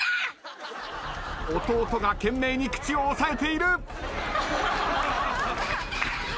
弟が懸命に口を押さえている。